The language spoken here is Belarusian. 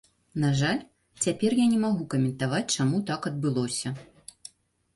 На жаль, цяпер я не магу каментаваць, чаму так адбылося.